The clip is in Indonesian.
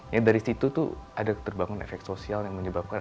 ya dari situ tuh ada terbangun efek sosial yang menyebabkan